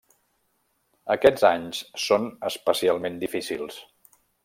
Aquests anys són especialment difícils.